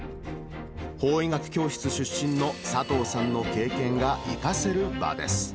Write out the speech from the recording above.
法医学教室出身の佐藤さんの経験が生かせる場です。